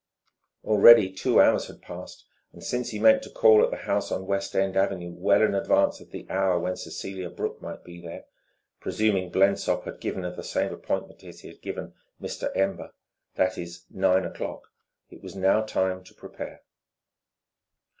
Already two hours had passed and, since he meant to call at the house on West End Avenue well in advance of the hour when Cecelia Brooke might be there presuming Blensop to have given her the same appointment as he had given "Mr. Ember," that is, nine o'clock it was now time to prepare.